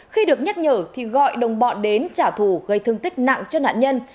khi được nhắc nhở thì gọi đồng bọn đến trả thù gây thương tích nặng cho nạn nhân